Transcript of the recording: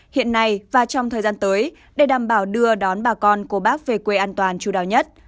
hiện nay và trong thời gian tới để đảm bảo đưa đón bà con của bác về quê an toàn chú đáo nhất